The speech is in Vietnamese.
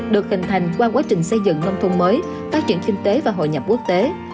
được hình thành qua quá trình xây dựng nông thôn mới phát triển kinh tế và hội nhập quốc tế